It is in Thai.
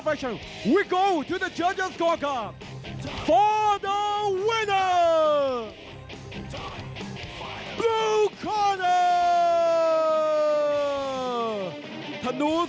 กระโดยสิ้งเล็กนี่ออกกันขาสันเหมือนกันครับ